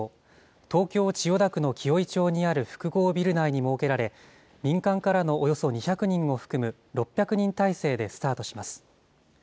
東京・千代田区の紀尾井町にある複合ビル内に設けられ、民間からのおよそ２００人を含む６００人体制でスタートします。